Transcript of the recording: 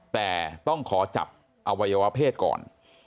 แต่ต้องขอจับอวัยวะเพศก่อน